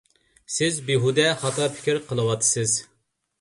سىز بىھۇدە خاتا پىكىر قىلىۋاتىسىز!